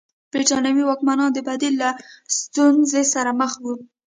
برېټانوي واکمنان د بدیل له ستونزې سره مخ وو.